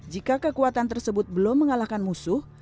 jika kekuatan tersebut belum mengalahkan musuh